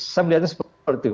saya melihatnya seperti itu